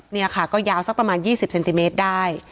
นี่ค่ะก็ยาวสักประมาณ๒๐เซนติเมตรได้